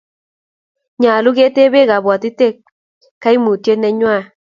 nyalun ketebee kabatiek kaimutiet nenywan